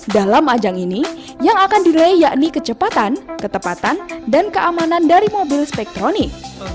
dalam ajang ini yang akan diraih yakni kecepatan ketepatan dan keamanan dari mobil spektronik